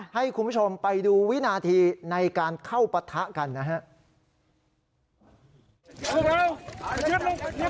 ให้คุณผู้ชมไปดูวินาทีในการเข้าปะทะกันนะครับ